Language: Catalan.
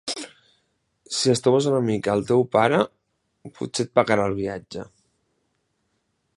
Si estoves una mica el teu pare, potser et pagarà el viatge.